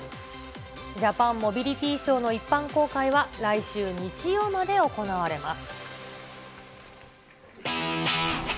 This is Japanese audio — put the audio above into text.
ジャパンモビリティショーの一般公開は、来週日曜まで行われます。